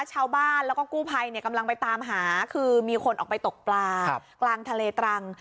ชาวบ้านแล้วก็กู้ภัยกำลังไปตามหาคือมีคนออกไปตกปลากลางทะเลตรัง